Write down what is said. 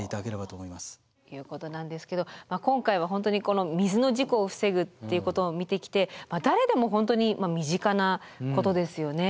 ということなんですけど今回は本当にこの水の事故を防ぐっていうことを見てきて誰でも本当に身近なことですよね。